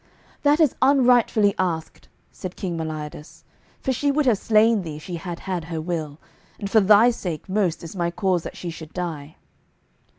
"That is unrightfully asked," said King Melodias, "for she would have slain thee, if she had had her will, and for thy sake most is my cause that she should die."